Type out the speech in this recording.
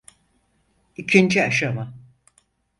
İkinci aşama.